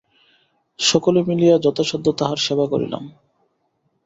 সকলে মিলিয়া যথাসাধ্য তাঁহার সেবা করিলাম।